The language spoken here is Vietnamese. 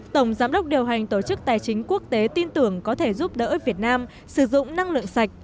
tổng giám đốc điều hành tổ chức tài chính quốc tế tin tưởng có thể giúp đỡ việt nam sử dụng năng lượng sạch